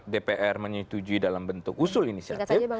dpr menyetujui dalam bentuk usul inisiatif